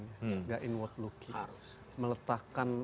tidak inward looking meletakkan